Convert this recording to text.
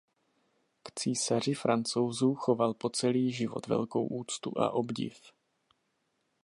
K císaři Francouzů choval po celý život velkou úctu a obdiv.